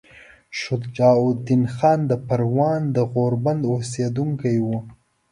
شجاع الدین خان د پروان د غوربند اوسیدونکی وو.